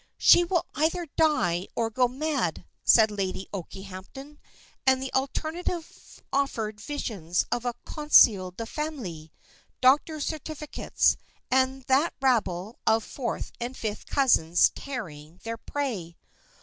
"She will either die or go mad," said Lady Okehampton, and the alternative offered visions of a conseil de famille, doctors' certificates, and that rabble of fourth and fifth cousins tearing their prey.